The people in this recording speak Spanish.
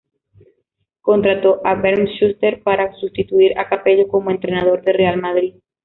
Contrató a Bernd Schuster para sustituir a Capello como Entrenador del Real Madrid.